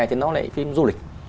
thì nó lại phim du lịch